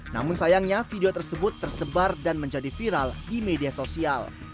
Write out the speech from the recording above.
namun sayangnya video tersebut tersebar dan menjadi viral di media sosial